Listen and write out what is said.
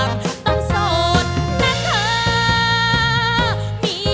ไม่ใช้